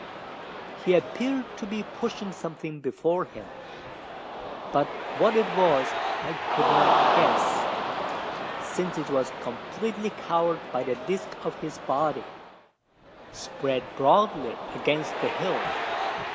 He appeared to be pushing something before him; but what it was, I could not guess: since it was completely covered by the disc of his body spread broadly against the hill.